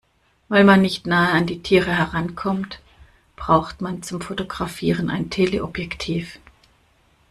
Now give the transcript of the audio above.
Weil man nicht nah an die Tiere herankommt, braucht man zum Fotografieren ein Teleobjektiv.